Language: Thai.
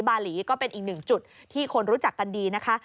บาหลีก็เป็นอีกหนึ่งจุดที่คนรู้จักกันดีนะคะ